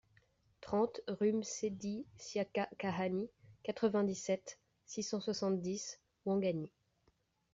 trente rUE MSAIDIE SIAKA KAHANI, quatre-vingt-dix-sept, six cent soixante-dix, Ouangani